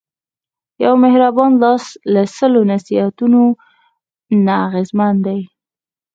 یو مهربان لاس له سلو نصیحتونو نه اغېزمن دی.